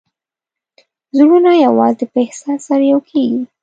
زړونه یوازې په احساس سره یو کېږي.